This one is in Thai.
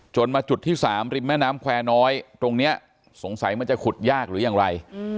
มาจุดที่๓ริมแม่น้ำแควร์น้อยตรงนี้สงสัยมันจะขุดยากหรือยังไร